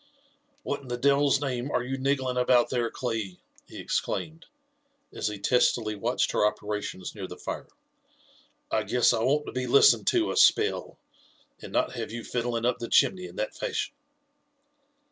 *' What in the devil's name are you niggling about there, Cli ?" he exclaimed, as he testily watched her operations near the fire. ''I guess I want to be listened to a spell, and not have you fiddling up the chimney in that fashion."